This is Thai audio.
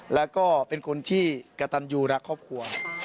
แล้วก็เป็นคนที่กระตันยูรักครอบครัว